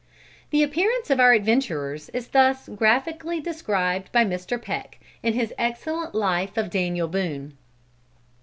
The appearance of our adventurers is thus graphically described by Mr. Peck, in his excellent Life of Daniel Boone.